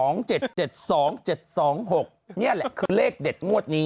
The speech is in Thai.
เนี่ยแหละเลขเด็ดงวดนี้